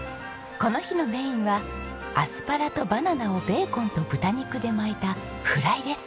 この日のメインはアスパラとバナナをベーコンと豚肉で巻いたフライです。